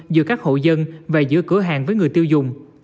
giữa các hộ dân và giữa cửa hàng với người tiêu dùng